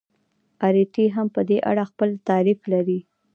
اریټي هم په دې اړه خپل تعریف لري.